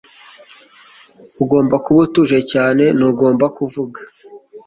Ugomba kuba utuje cyane ntugomba kuvuga